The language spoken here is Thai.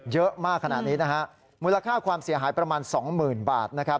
เยอะมากขนาดนี้มูลค่าความเสียหายประมาณ๒๐๐๐๐บาท